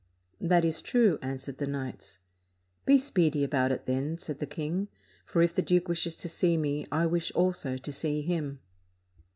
"That is true," answered the knights. "Be speedy about it, then," said the king, "for if the duke wishes to see me I wish also to see him."